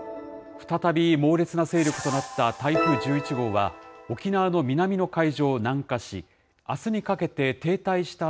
再び、猛烈な勢力となった台風１１号は、沖縄の南の海上を南下し、あすにかけて停滞した